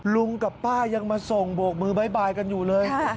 ลุงกับป้ายังมาส่งโบกมือบ๊ายกันอยู่เลย